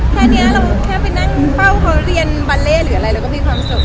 แค่นี้เรา๐๓๐๐หรือเรียนบาเลนี่ก็มีความสุข